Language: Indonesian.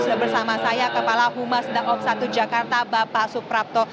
sudah bersama saya kepala humas dakop satu jakarta bapak suprapto